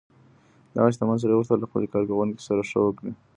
دغه شتمن سړي غوښتل له خپلې کارکوونکې سره ښه وکړي.